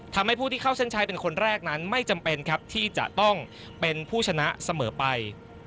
ทำให้ผู้ที่เข้าเส้นชัยเป็นคนแรกนั้นไม่จำเป็นครับที่จะต้องเป็นผู้ชนะเสมอไป